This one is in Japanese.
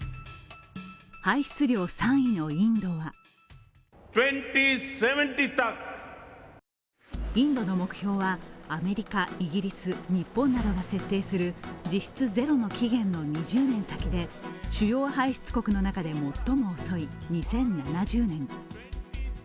排出量３位のインドはインドの目標は、アメリカ、イギリス、日本などが設定する実質ゼロの期限の２０年先で主要排出国の中で最も遅い２０７０年。